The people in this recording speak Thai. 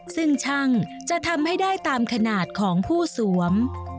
ซึ่งช่างจะทำให้ได้ตามขนาดของผู้สวม